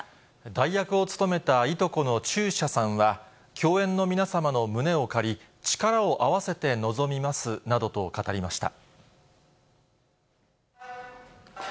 代役を勤めたいとこの中車さんは、共演の皆様の胸を借り、力を合わせて臨みますなどと語りました。